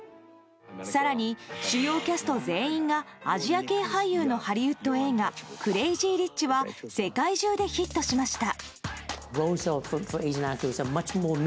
更に、主要キャスト全員がアジア系俳優のハリウッド映画「クレイジー・リッチ！」は世界中でヒットしました。